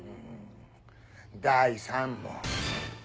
第３問。